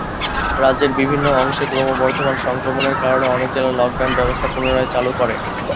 রাজ্যের বিভিন্ন অংশে ক্রমবর্ধমান সংক্রমণের কারণে, অনেক জেলা লকডাউন ব্যবস্থা পুনরায় চালু করে।